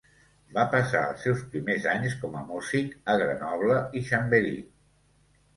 Va passar els seus primers anys com a músic a Grenoble i Chambéry.